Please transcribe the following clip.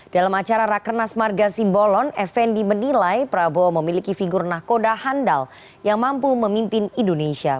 dalam acara rakernas marga simbolon effendi menilai prabowo memiliki figur nahkoda handal yang mampu memimpin indonesia